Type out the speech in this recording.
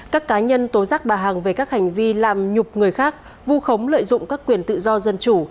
các cá nhân tố giác bà hằng về các hành vi làm nhục người khác vu khống lợi dụng các quyền tự do dân chủ